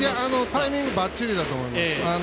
タイミングばっちりだと思います。